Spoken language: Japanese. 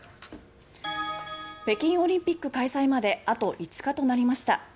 北京オリンピック開幕まであと５日になりました。